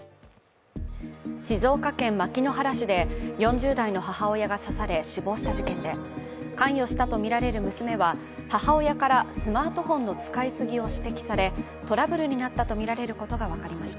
静岡県牧之原市で４０代の母親が刺され死亡した事件で関与したとみられる娘は母親からスマートフォンの使い過ぎを指摘されトラブルになったとみられることが分かりました。